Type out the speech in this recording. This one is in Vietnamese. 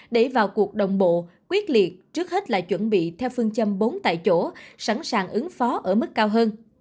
để vào cuộc đồng bộ quyết liệt trước hết là chuẩn bị theo phương châm bốn tại chỗ sẵn sàng ứng phó ở mức cao hơn